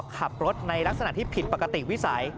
ขับรถในลักษณะที่ผิดปกติวิสัย